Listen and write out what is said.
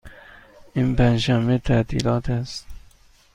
این پنج شنبه تعطیلات است.